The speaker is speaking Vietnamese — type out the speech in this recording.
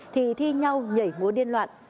thì thi nhau nhảy múa điên loạn